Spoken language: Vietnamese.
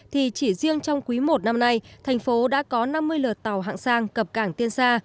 thì chỉ riêng trong quý i năm nay thành phố đã có năm mươi lượt tàu hạng sang cập cảng tiên sa